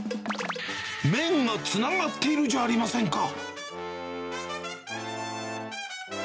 麺がつながっているじゃありませんか。